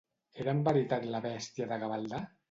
Era en veritat la bèstia de Gavaldà?